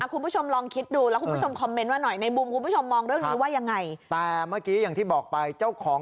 คุณผู้ชมลองคิดดูแล้วคุณผู้ชมคอมเมนต์ด้วยหน่อย